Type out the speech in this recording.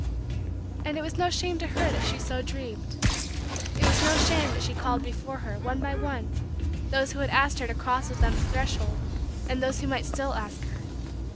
And it was no shame to her that she so dreamed. It was no shame that she called before her, one by one, those who had asked her to cross with them the threshold and those who might still ask her.